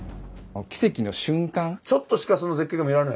ちょっとしかその絶景が見られない？